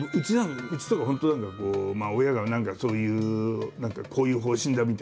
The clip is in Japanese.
うちとか本当何かこう親が何かそういうこういう方針だ！